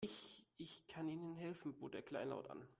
Ich, ich kann Ihnen helfen, bot er kleinlaut an.